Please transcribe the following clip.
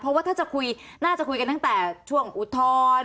เพราะว่าถ้าจะคุยน่าจะคุยกันตั้งแต่ช่วงอุทธรณ์